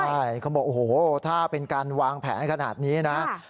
ใช่เขาบอกโอ้โหถ้าเป็นการวางแผนขนาดนี้นะ